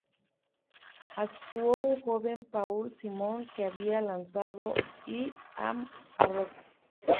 Actuó un joven Paul Simon que había lanzado "I Am A Rock".